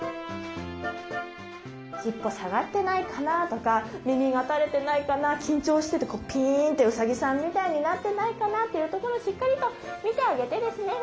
尻尾下がってないかなとか耳が垂れてないかな緊張しててピーンとウサギさんみたいになってないかなというところをしっかりと見てあげてですね